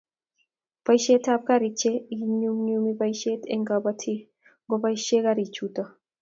Boisietap garik che inyumnyumi boisiet eng kobotik ngoboisie garichuto